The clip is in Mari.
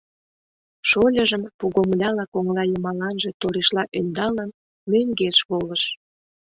Шольыжым, пугомыляла коҥылайымаланже торешла ӧндалын, мӧҥгеш волыш.